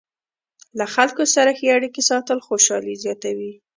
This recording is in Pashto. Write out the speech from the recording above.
له خلکو سره ښې اړیکې ساتل خوشحالي زیاتوي.